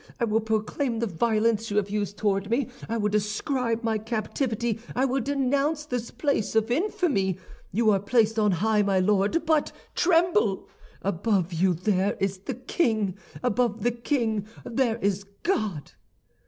I will proclaim the violence you have used toward me. I will describe my captivity. I will denounce this place of infamy. You are placed on high, my Lord, but tremble! Above you there is the king; above the king there is God!